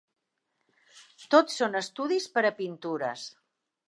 Tot són estudis per a pintures.